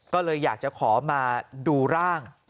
ก็เลยอยากจะขอมาดูร่าง